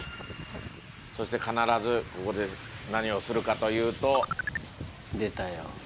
そして必ずここで何をするかというと出たよ